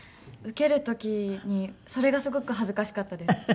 受ける時にそれがすごく恥ずかしかったです。